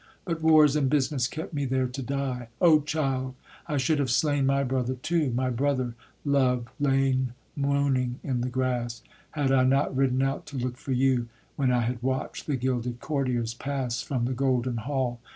But wars and business kept me there to die. O child, I should have slain my brother, too, My brother, Love, lain moaning in the grass, Had I not ridden out to look for you, When I had watch'd the gilded courtiers pass From the golden hall.